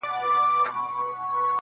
د ورورولۍ په معنا.